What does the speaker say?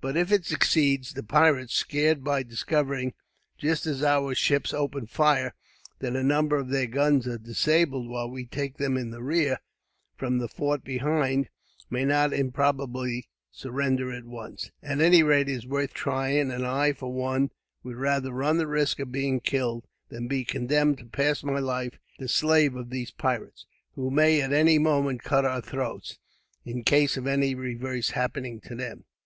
But if it succeeds the pirates, scared by discovering, just as our ships open fire, that a number of their guns are disabled; while we take them in the rear, from the fort behind, may not improbably surrender at once. At any rate, it's worth trying; and I, for one, would rather run the risk of being killed, than be condemned to pass my life the slave of these pirates, who may at any moment cut our throats, in case of any reverse happening to them."